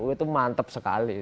itu mantep sekali